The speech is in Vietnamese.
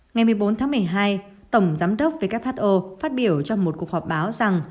ngày một mươi bốn tháng một mươi hai tổng giám đốc who phát biểu trong một cuộc họp báo rằng